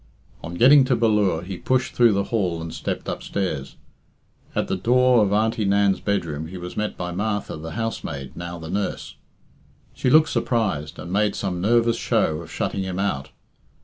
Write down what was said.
On getting to Ballure, he pushed through the hall and stepped upstairs. At the door of Auntie Nan's bedroom he was met by Martha, the housemaid, now the nurse. She looked surprised, and made some nervous show of shutting him out.